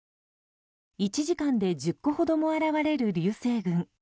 １時間で１０個ほども現れる流星群。